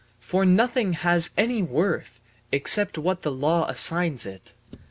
For nothing has any worth except what the law assigns it.